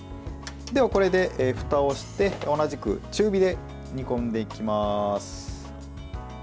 では、これでふたをして同じく中火で煮込んでいきます。